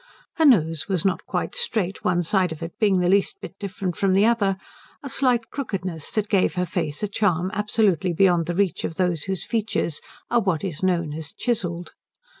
Her nose was not quite straight, one side of it being the least bit different from the other, a slight crookedness that gave her face a charm absolutely beyond the reach of those whose features are what is known as chiselled.